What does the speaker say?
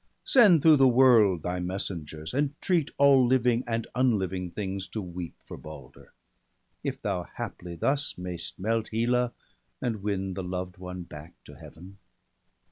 Send through the world thy messengers; entreat All living and unliving things to weep For Balder; if thou haply thus may'st melt Hela, and win the loved one back to Heaven.'